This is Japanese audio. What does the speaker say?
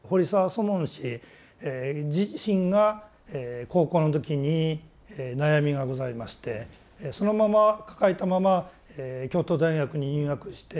祖門師自身が高校の時に悩みがございましてそのまま抱えたまま京都大学に入学して